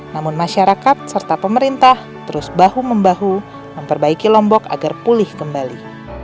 namun masyarakat serta pemerintah terus bahu membahu memperbaiki lombok agar pulih kembali